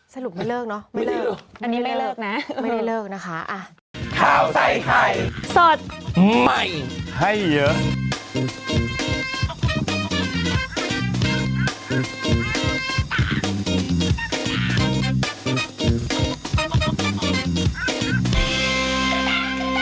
สรุปไม่เลิกเนอะไม่เลิกอันนี้ไม่เลิกนะไม่ได้เลิกนะคะอะ